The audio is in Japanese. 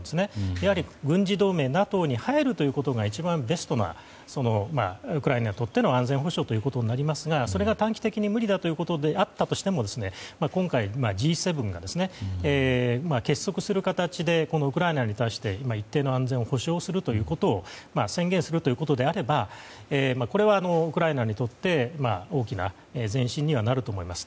やはり軍事同盟ＮＡＴＯに入ることが一番ベストなウクライナにとっての安全保障ということになりますがそれが短期的に無理だったとしても今回、Ｇ７が結束する形でこのウクライナに対して一定の安全を保障することを宣言するということであればこれはウクライナにとって大きな前進にはなると思います。